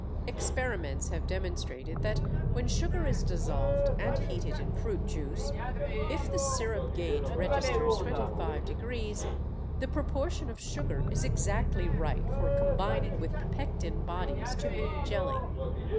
Experiments have demonstrated that when sugar is dissolved and heated in fruit juice, if the sirup gauge registers 25°, the proportion of sugar is exactly right for combining with the pectin bodies to make jelly.